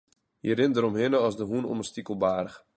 Hy rint deromhinne as de hûn om in stikelbaarch.